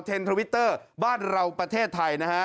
เทนท์ทวิตเตอร์บ้านเราประเทศไทย